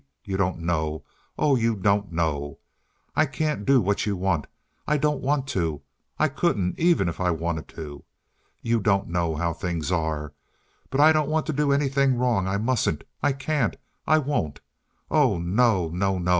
You don't know. Oh, you don't know. I can't do what you want. I don't want to. I couldn't, even if I wanted to. You don't know how things are. But I don't want to do anything wrong. I mustn't. I can't. I won't. Oh, no! no!! no!!!